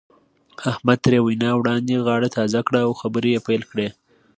احمد تر وينا وړاندې غاړه تازه کړه او خبرې يې پيل کړې.